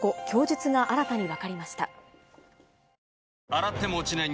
洗っても落ちない